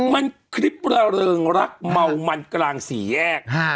มันคลิประเริงรักเมามันกลางสี่แยก